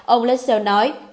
ông lessell nói